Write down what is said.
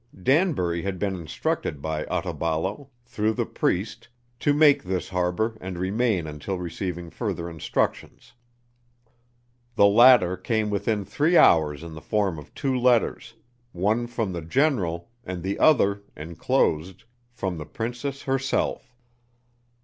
Danbury had been instructed by Otaballo, through the priest, to make this harbor and remain until receiving further instructions. The latter came within three hours in the form of two letters; one from the General, and the other, enclosed, from the princess herself.